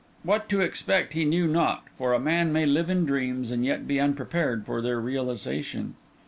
What to expect, he knew not; for a man may live in dreams, and yet be unprepared for their realisation.